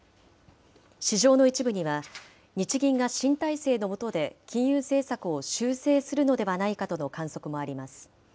市場の一部には、日銀が新体制のもとで、金融政策を修正するのではないかとの観測もあります。